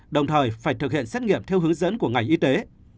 đồng thời phải thực hiện xét nghiệm theo hướng dẫn của ngành y tế